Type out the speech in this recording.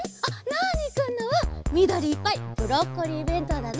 ナーニくんのはみどりいっぱいブロッコリーべんとうだね！